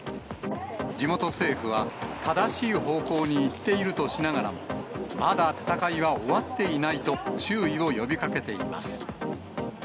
地元政府は、正しい方向に行っているとしながらも、まだ闘いは終わっていないと注意を呼びかけています。